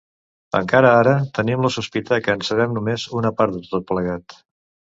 Encara ara, tenim la sospita que en sabem només una part de tot plegat.